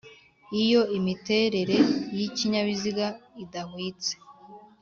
Iyo imiterere y'ikinyabiziga idahwitse